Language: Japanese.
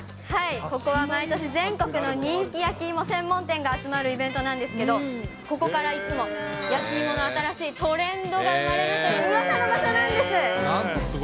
ここは毎年、全国の人気焼きいも専門店が集まるイベントなんですけど、ここからいつも焼きいもの新しいトレンドが生まれるといううわさの場所なんです。